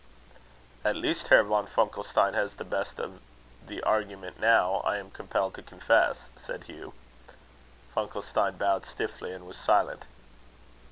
"At least Herr von Funkelstein has the best of the argument now, I am compelled to confess," said Hugh. Funkelstein bowed stiffly, and was silent.